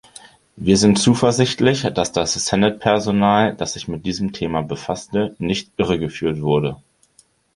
Wir sind zuversichtlich, dass das Senedd-Personal, das sich mit diesem Thema befasste, nicht irregeführt wurde.